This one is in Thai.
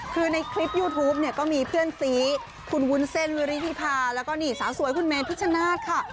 คือในคลิปยูทูปเนี่ยก็มีเพื่อนซีคุณวุ้นเส้นวิริธิพาแล้วก็นี่สาวสวยคุณเมนพิชชนาธิ์ค่ะ